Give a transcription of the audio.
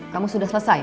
kamu sudah selesai